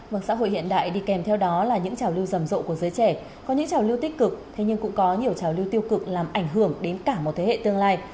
một xã hội hiện đại đi kèm theo đó là những trào lưu rầm rộ của giới trẻ có những trào lưu tích cực thế nhưng cũng có nhiều trào lưu tiêu cực làm ảnh hưởng đến cả một thế hệ tương lai